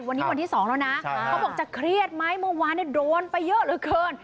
วันนี้วันที่๒แล้วนะเขาบอกจะเครียดไหมเมื่อวานโดนไปเยอะเหลือเกิน